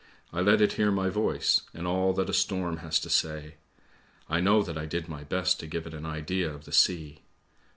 I let it hear my voice, and all that a storm has to say. I know that I did my best to give it an idea of the sea.